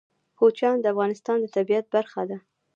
کوچیان د افغانستان د طبیعت برخه ده.